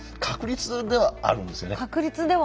確率ではあるんですか。